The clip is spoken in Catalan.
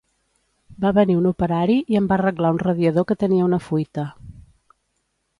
Va venir un operari i em va arreglar un radiador que tenia una fuita